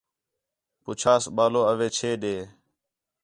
پُچھاس ٻالو اوے چھے ݙے